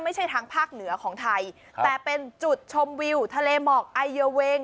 ทางภาคเหนือของไทยแต่เป็นจุดชมวิวทะเลหมอกไอเยอเวง